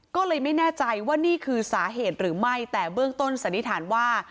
ก็เลยไม่แน่ใจว่านี่คือสาเหตุหรือไม่แต่เบื้องต้นสันนิษฐานว่า